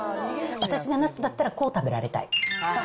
私がなすだったら、こう食べられたい。